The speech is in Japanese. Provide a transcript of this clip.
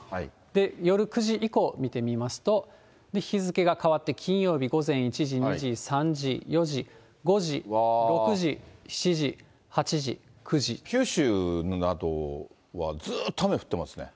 夜９時以降、見てみますと、日付が変わって金曜日午前１時、２時、３時、４時、５時、６時、７時、８時、九州などはずっと雨降ってますね。